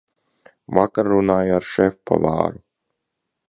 Vakar runāju ar šefpavāru.